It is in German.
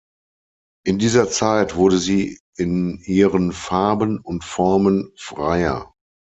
In dieser Zeit wurde sie in ihren Farben und Formen freier.